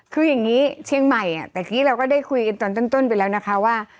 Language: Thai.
คืออย่างนี้เชียงใหม่แต่เมื่อกี้เราก็ได้คุยกันตอนต้นไปแล้วนะคะว่า